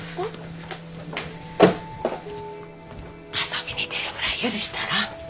遊びに出るぐらい許したら？